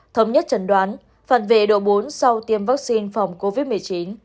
thống nhất trần đoán phản vệ độ bốn sau tiêm vaccine phòng covid một mươi chín